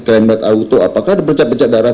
kremlet auto apakah ada percak percak darah